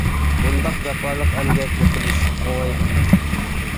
بۇنداق جاپالىق ئەمگەكنى قىلىش ئوڭاي ئەمەس.